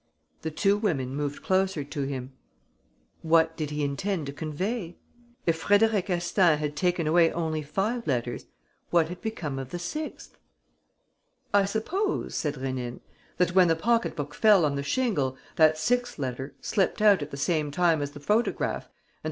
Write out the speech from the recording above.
The two women moved closer to him. What did he intend to convey? If Frédéric Astaing had taken away only five letters, what had become of the sixth? "I suppose," said Rénine, "that, when the pocket book fell on the shingle, that sixth letter slipped out at the same time as the photograph and that M.